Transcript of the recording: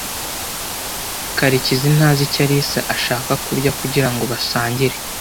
Karekezi ntazi icyo Alice ashaka kurya kugirango basangire.